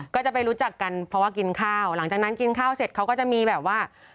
ก็จะไปรู้จักกันเพราะว่ากินข้าวหลังจากนั้นกินข้าวเสร็จเขาก็จะมีแบบว่า